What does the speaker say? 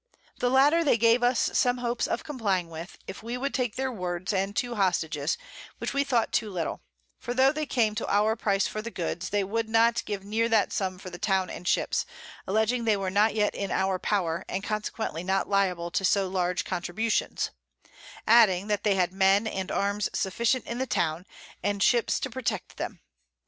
The latter they gave us some Hopes of complying with, if we would take their Words and two Hostages, which we thought too little; for tho' they came to our Price for the Goods, they would not give near that Sum for the Town and Ships, alledging they were not yet in our Power, and consequently not liable to so large Contributions; adding, that they had Men and Arms sufficient in the Town, and Ships to protect them.